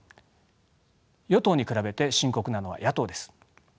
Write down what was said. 与党に比べて深刻なのは野党です。